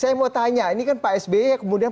saya mau tanya ini kan pak sby kemudian